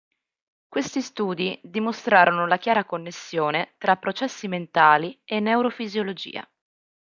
Questi studi dimostrarono la chiara connessione tra processi mentali e neurofisiologia.